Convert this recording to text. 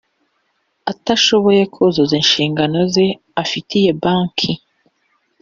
atashoboye kuzuza inshingano ze afitiye banki